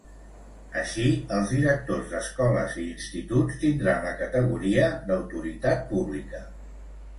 Així, els directors d'escoles i instituts tindran la categoria d'autoritat pública.